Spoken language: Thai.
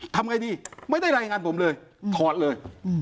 ทำไงดีไม่ได้รายงานผมเลยถอดเลย